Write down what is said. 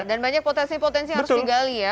dan banyak potensi potensi yang harus digali ya